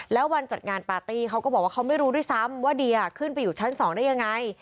แล้ววันจัดงานปาร์ตี้เขาก็บอกว่าเขาไม่รู้ด้วยซ้ำว่าเดียขึ้นไปอยู่ชั้น๒ได้ยังไง